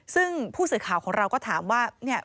ซึ่งผู้สื่อข่าวของเราก็ถามว่าเนี่ย